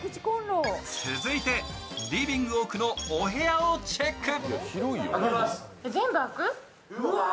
続いてリビング奥のお部屋をチェック。